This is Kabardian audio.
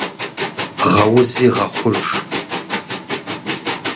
Гъэузи гъэхъуж.